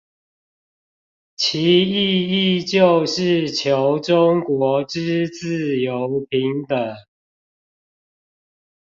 其意義就是求中國之自由平等